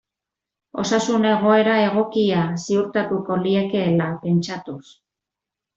Osasun egoera egokia ziurtatuko liekeela pentsatuz.